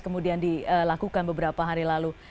kemudian dilakukan beberapa hari lalu